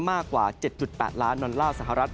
มากกว่า๗๘ล้านนสหรัฐ